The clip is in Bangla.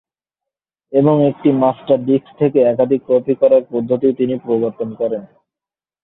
এবং একটি মাস্টার ডিস্ক থেকে একাধিক কপি করার পদ্ধতিও তিনি প্রবর্তন করেন।